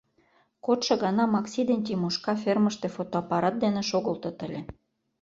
Кодшо гана Макси ден Тимошка фермыште фотоаппарат дене шогылтыт ыле.